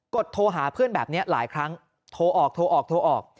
ดโทรหาเพื่อนแบบนี้หลายครั้งโทรออกโทรออกโทรออก